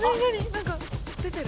何か出てる。